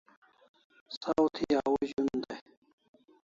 Saw thi au zun day